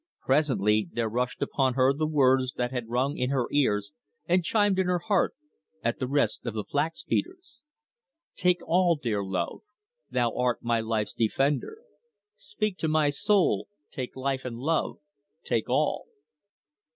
Presently there rushed upon her the words that had rung in her ears and chimed in her heart at the Rest of the Flax beaters: "Take all, dear love! thou art my life's defender; Speak to my soul! Take life and love; take all."